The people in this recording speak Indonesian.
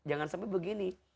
jangan sampai begini